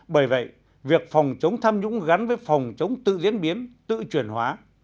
bởi vậy việc phòng chống tham nhũng gắn với phòng chống tự diễn biến tự truyền hóa